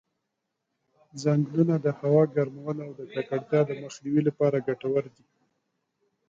ځنګلونه د هوا د ګرمولو او د ککړتیا د مخنیوي لپاره ګټور دي.